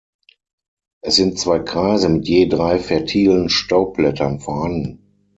Es sind zwei Kreise mit je drei fertilen Staubblättern vorhanden.